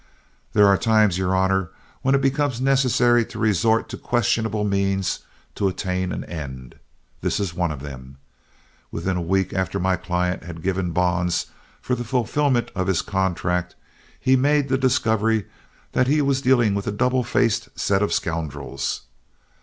There are times, your honor, when it becomes necessary to resort to questionable means to attain an end. This is one of them. Within a week after my client had given bonds for the fulfillment of his contract, he made the discovery that he was dealing with a double faced set of scoundrels.